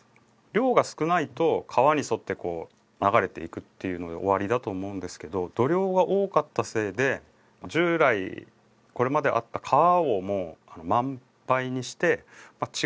量が少ないと川に沿って流れていくっていうので終わりだと思うんですけど土量が多かったせいで従来これまであった川をもう満杯にして。